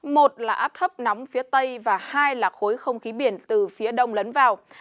một là áp thấp nóng phía tây và hai là khối không khí biển từ phía đông lấn vào